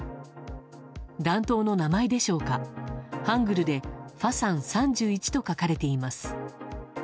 弾頭の名前でしょうかハングルでファサン３１と書かれています。